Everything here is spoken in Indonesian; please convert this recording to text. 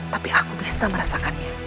tapi aku bisa merasakannya